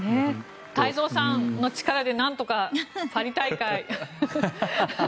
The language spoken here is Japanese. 太蔵さんの力でなんとかパリ大会。